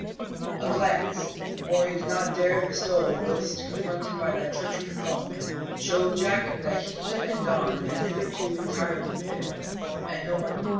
A glance more he did not dare bestow whilst confronted by that treacherous throng showed Jack what he and Don had hitherto entirely failed (and no wonder!)